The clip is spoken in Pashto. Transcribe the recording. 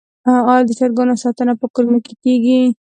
آیا د چرګانو ساتنه په کورونو کې کیږي؟